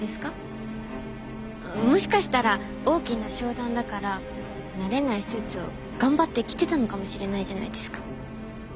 もしかしたら大きな商談だから慣れないスーツを頑張って着てたのかもしれないじゃないですか。